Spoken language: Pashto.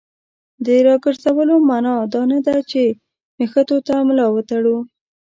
د راګرځولو معنا دا نه ده چې نښتو ته ملا وتړو.